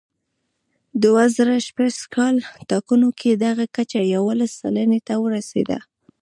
دوه زره شپږ کال ټاکنو کې دغه کچه یوولس سلنې ته ورسېده.